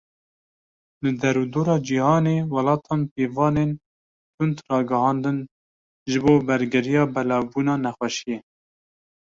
Li derûdora cîhanê, welatan pîvanên tund ragihandin ji bo bergiriya belavbûna nexweşiyê.